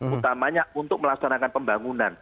utamanya untuk melaksanakan pembangunan